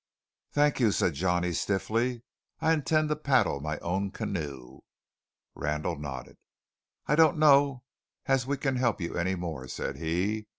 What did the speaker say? "Thank you," said Johnny stiffly; "I intend to paddle my own canoe." Randall nodded. "I don't know as we can help you any more," said he.